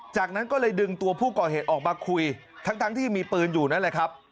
จากนั้นก็เลยดึงตัวผู้ก่อเหตุออกมาคุยทั้งที่มีปืนอยู่นั่นแหละครับ